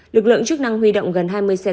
lực lượng chức năng huy động gần hai mươi xe